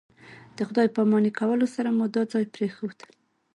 د خدای پاماني کولو سره مو دا ځای پرېښود.